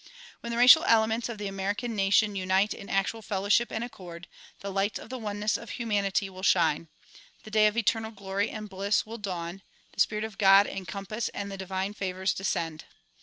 When the racial elements of the American nation unite in actual fellowship and accord, the lights of the oneness of humanity will shine, the day of eternal glory and bliss will dawn, the spirit of God encompass and the divine favors descend.